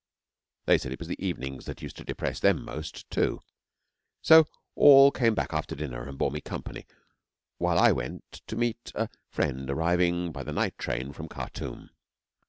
They said it was the evenings that used to depress them most, too; so they all came back after dinner and bore me company, while I went to meet a friend arriving by the night train from Khartoum.